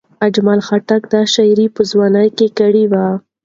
اجمل خټک دا شاعري په ځوانۍ کې کړې وه.